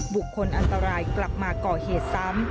บุคคลอันตรายกลับมาก่อเหตุซ้ำ